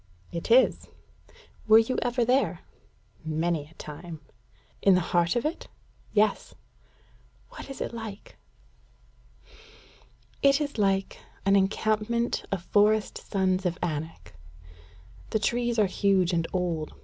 "It is." "Were you ever there?" "Many a time." "In the heart of it?" "Yes." "What is it like?" "It is like an encampment of forest sons of Anak. The trees are huge and old.